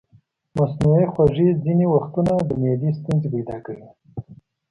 مصنوعي خوږې ځینې وختونه د معدې ستونزې پیدا کوي.